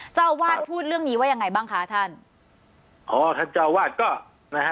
เจ้าอาวาสพูดเรื่องนี้ว่ายังไงบ้างคะท่านอ๋อท่านเจ้าวาดก็นะฮะ